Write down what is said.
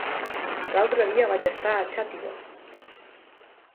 L'altre dia vaig estar a Xàtiva.